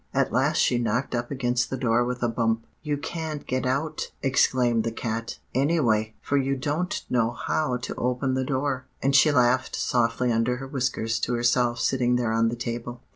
At last she knocked up against the door with a bump. "'You can't get out,' exclaimed the cat, 'anyway, for you don't know how to open the door.' And she laughed softly under her whiskers to herself sitting there on the table.